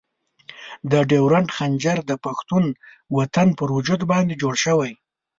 د ډیورنډ خنجر د پښتون وطن پر وجود باندې جوړ شوی.